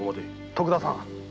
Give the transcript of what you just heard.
徳田さん！